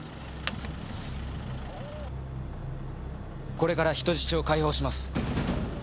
これから人質を解放します。